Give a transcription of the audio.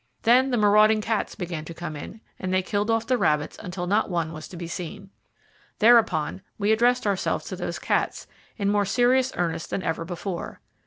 Then the marauding cats began to come in, and they killed off the rabbits until not one was to be seen. Thereupon, we addressed ourselves to those cats, in more serious earnest than ever before.